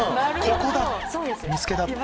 ここだ見つけた！と。